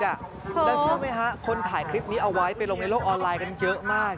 แล้วเชื่อไหมฮะคนถ่ายคลิปนี้เอาไว้ไปลงในโลกออนไลน์กันเยอะมาก